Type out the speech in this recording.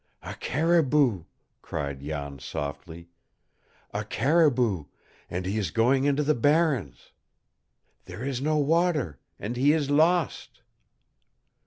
"A caribou!" cried Jan softly. "A caribou, and he is going into the barrens. There is no water, and he is lost!"